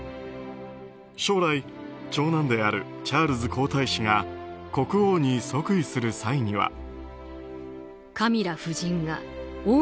将来、長男であるチャールズ皇太子が国王に即位する際には。